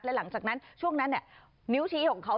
และหลังจากนั้นช่วงนั้นนิ้วชี้ของเขา